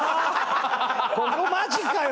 ここマジかよ。